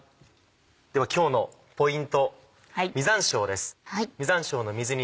では今日のポイント実山椒です。